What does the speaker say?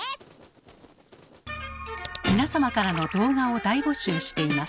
皆様からの動画を大募集しています。